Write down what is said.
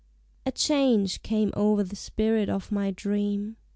A change came o'er the spirit of my dream.